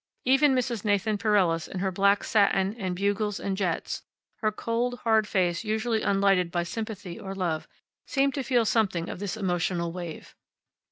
Even Mrs. Nathan Pereles, in her black satin and bugles and jets, her cold, hard face usually unlighted by sympathy or love, seemed to feel something of this emotional wave.